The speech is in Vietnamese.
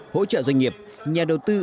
hỗ trợ doanh nghiệp nhà đầu tư